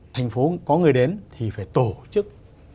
thành phố có người đến thì phải tổ chức